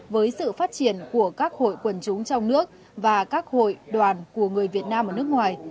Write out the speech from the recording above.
với sự phát triển của các hội quần chúng trong nước và các hội đoàn của người việt nam ở nước ngoài